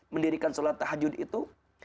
mendirikan salat tahajud itu